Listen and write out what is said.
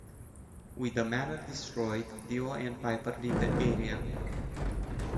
With the manor destroyed, Leo and Piper leave the area.